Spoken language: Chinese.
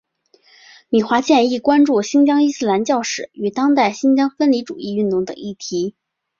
米华健亦关注新疆伊斯兰教史与当代新疆的分离主义运动等议题。